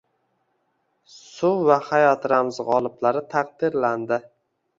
Suv va hayot ramzi g‘oliblari taqdirlandi